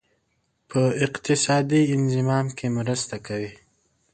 په اقتصادي انضمام کې مرسته کوي.